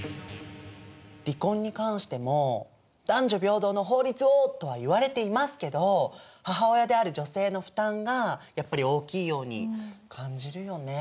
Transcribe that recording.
離婚に関しても男女平等の法律をとは言われていますけど母親である女性の負担がやっぱり大きいように感じるよね。